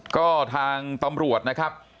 ก็ทางตำรวจนะครับ